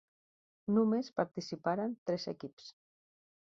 Només participaren tres equips.